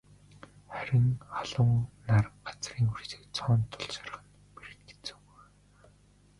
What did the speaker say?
Харин халуун нар газрын хөрсийг цоонотол шарах нь бэрх хэцүү юм.